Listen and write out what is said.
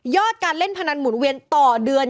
การเล่นพนันหมุนเวียนต่อเดือน